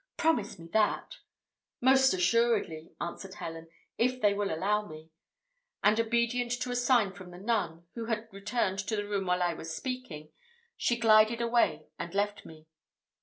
"Promise me that." "Most assuredly," answered Helen, "if they will allow me;" and obedient to a sign from the nun, who had returned to the room while I was speaking, she glided away and left me.